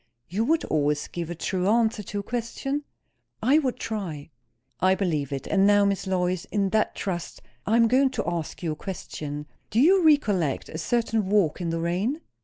"You would always give a true answer to a question?" "I would try." "I believe it. And now, Miss Lois, in that trust, I am going to ask you a question. Do you recollect a certain walk in the rain?"